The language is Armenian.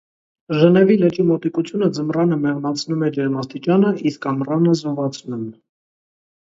Ժնևի լճի մոտիկությունը ձմռանը մեղմացնում է ջերմաստիճանը, իսկ ամռանը՝ զովացնում։